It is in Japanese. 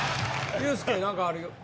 ユースケ何かある？